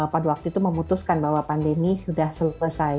pada waktu itu memutuskan bahwa pandemi sudah selesai